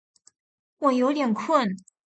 我有点困